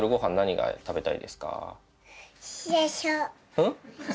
うん？